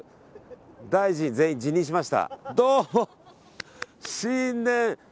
大臣全員辞任しました。